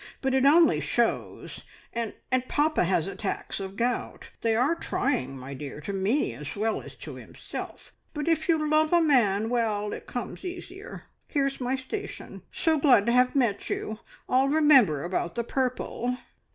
But it only shows. ... And Papa has attacks of gout. They are trying, my dear, to me, as well as to himself; but if you love a man well, it comes easier. ... Here's my station. So glad to have met you! I'll remember about the purple."